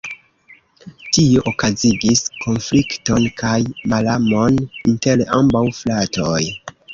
Tio okazigis konflikton kaj malamon inter ambaŭ fratoj.